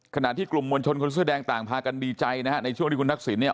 ขณะที่กลุ่มมวลชนคนเสื้อแดงต่างพากันดีใจนะฮะในช่วงที่คุณทักษิณเนี่ย